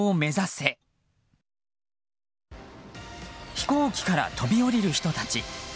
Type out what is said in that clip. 飛行機から飛び降りる人たち。